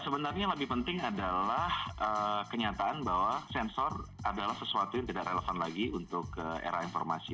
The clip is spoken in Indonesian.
sebenarnya yang lebih penting adalah kenyataan bahwa sensor adalah sesuatu yang tidak relevan lagi untuk era informasi